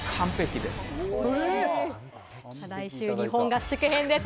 来週、日本合宿編です。